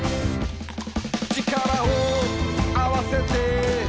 「力をあわせて」